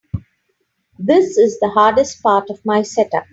This is the hardest part of my setup.